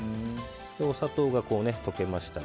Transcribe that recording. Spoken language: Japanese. お砂糖が溶けましたら。